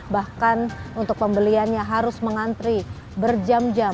bahkan untuk pembeliannya harus mengantri berjam jam